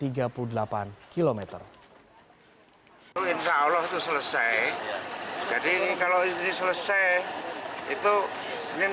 insya allah itu selesai jadi kalau ini selesai ini enam lima km